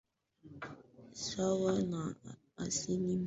sawa na asilimia sitini na nne ni eneo la nchi kavu